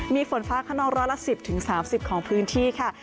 มีฝนฟ้าขนองร้อยละ๑๐๓๐ของพื้นที่ค่ะ